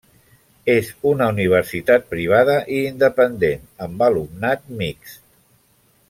És una universitat privada i independent amb alumnat mixt.